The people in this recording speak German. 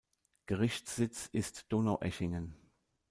Gerichtssitz ist Donaueschingen.